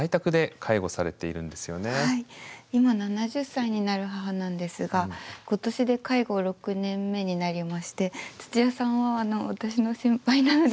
今７０歳になる母なんですが今年で介護６年目になりましてつちやさんは私の先輩なので。